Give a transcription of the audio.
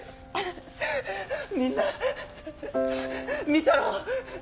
みんな見たろ？